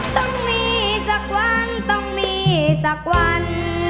ต้องมีสักวันต้องมีสักวัน